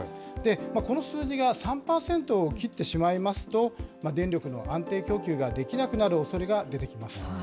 この数字が３％を切ってしまいますと、電力の安定供給ができなくなるおそれが出てきます。